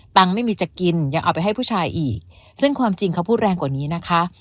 ไม่มีจะกินยังเอาไปให้ผู้ชายอีกซึ่งความจริงเขาพูดแรงกว่านี้นะคะ